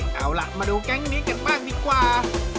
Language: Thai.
เอาล่ะมาดูแก๊งนี้กันบ้างดีกว่า